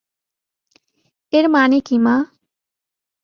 এর মানে কি, মা?